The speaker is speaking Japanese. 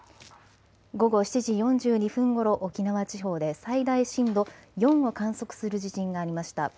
午後７時４２分ごろ、沖縄地方で最大震度４を観測する地震がありました。